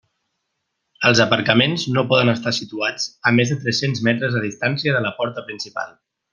Els aparcaments no poden estar situats a més de tres-cents metres de distància de la porta principal.